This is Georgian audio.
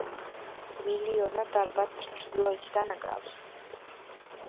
მილიონა დარბაზს ჩრდილოეთიდან აკრავს.